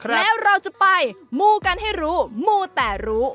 แล้วเราจะไปมูกันให้รู้มูแต่รู้